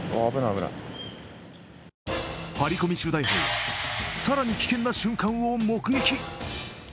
ハリコミ取材班は更に危険な瞬間を目撃。